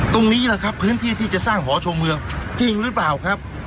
ตรงนี้แหละครับพื้นที่ที่จะสร้างหอชมเมืองจริงหรือเปล่าครับ